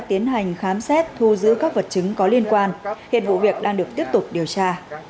tiến hành khám xét thu giữ các vật chứng có liên quan hiện vụ việc đang được tiếp tục điều tra